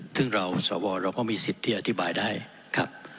ซึ่งเราสวเราก็มีสิทธิ์ที่อธิบายได้ครับ